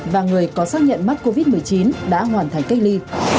và người có xác nhận mắc covid một mươi chín đã hoàn thành cách ly